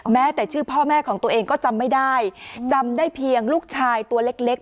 แม้แต่ชื่อพ่อแม่ของตัวเองก็จำไม่ได้จำได้เพียงลูกชายตัวเล็ก